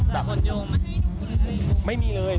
แต่คนโยงไม่ให้ดูเลย